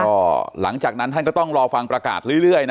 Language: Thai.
ก็หลังจากนั้นท่านก็ต้องรอฟังประกาศเรื่อยนะ